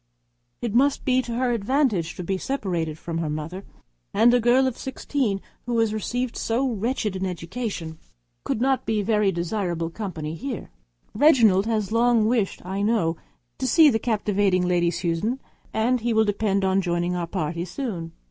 It must be to her advantage to be separated from her mother, and a girl of sixteen who has received so wretched an education, could not be a very desirable companion here. Reginald has long wished, I know, to see the captivating Lady Susan, and we shall depend on his joining our party soon.